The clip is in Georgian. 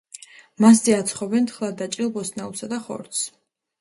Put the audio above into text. მასზე აცხობენ თხლად დაჭრილ ბოსტნეულს და ხორცს.